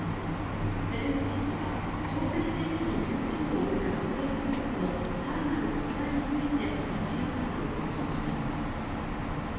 ゼレンスキー氏は長距離兵器に重点を置いた防衛協力の更なる拡大について話し合ったと強調しています。